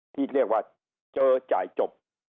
ที่เรียกว่าเจอจ่ายจบ